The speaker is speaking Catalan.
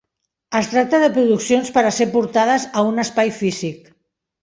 Es tracta de produccions per a ser portades a un espai físic.